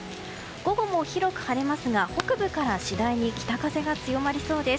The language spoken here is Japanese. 午後も広く晴れますが北部から次第に北風が強まりそうです。